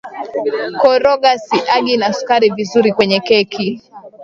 Koroga siagi na sukari vizuri kwenye keki